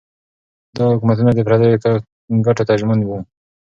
دا حکومتونه د پردیو ګټو ته ژمن وو.